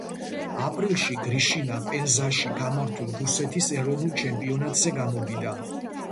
აპრილში გრიშინა პენზაში გამართულ რუსეთის ეროვნულ ჩემპიონატზე გამოვიდა.